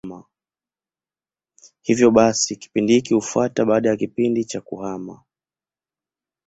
Hivyo basi kipindi hiki hufuata baada ya kipindi cha kuhama.